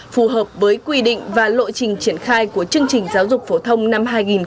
phù hợp với quy định và lộ trình triển khai của chương trình giáo dục phổ thông năm hai nghìn một mươi tám